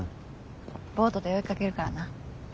ボートで追いかけるからな。